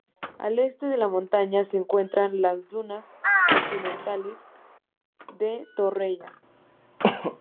Al este de la montaña se encuentran las dunas continentales de Torroella.